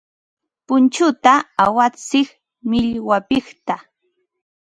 Punchuta awantsik millwapiqta.